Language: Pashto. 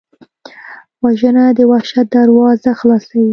وژنه د وحشت دروازه خلاصوي